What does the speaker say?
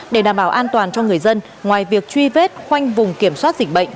để đảm bảo an toàn cho người dân ngoài việc truy vết khoanh vùng kiểm soát dịch bệnh